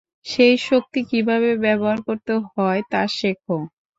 সেই শক্তি কীভাবে ব্যবহার করতে হয় তা শেখো।